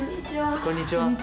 こんにちは。